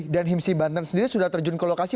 dan hmsi banten sendiri sudah terjun ke lokasi